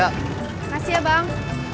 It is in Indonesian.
makasih ya bang